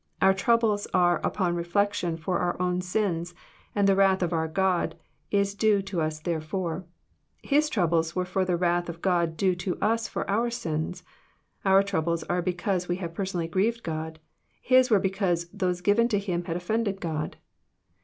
Our troubles are upon reflection for our own sins, and the wrath of God due to us therefor; His troubles were for the wrath of God due to us for our sins. — Our troubles are because we have personally grieved God ; His were because those given to Him had offended God.